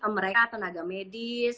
mereka tenaga medis